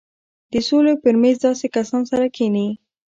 د سولې پر مېز داسې کسان سره کښېني.